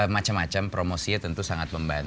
macam macam promosinya tentu sangat membantu